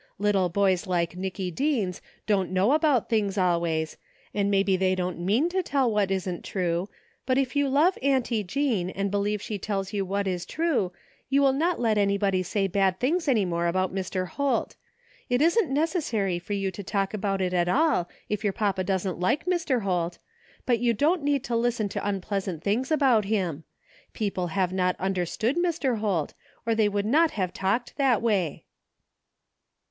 Little boys like Nicky Deens don't know about things always, and maybe they don't mean to tell what isn't true, but if you love Auntie Jean and believe she tells you what is true you will not let anybody say bad things any more about Mr. Holt. It isn't necessary for you to talk about it at all if your papa doesn't like Mr. Holt, but you don't need to listen to tmpleasant things about him. People have not understood Mr. Holt, or they would not have talked that way."